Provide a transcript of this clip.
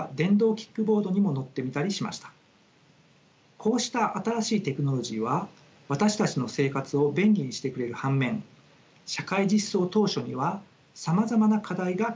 こうした新しいテクノロジーは私たちの生活を便利にしてくれる反面社会実装当初にはさまざまな課題が顕在化します。